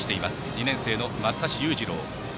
２年生の松橋裕次郎。